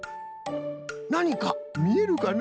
なにかみえるかな？